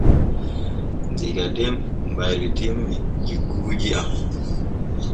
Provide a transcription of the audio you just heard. Diga den baylitinmi jikuuji am.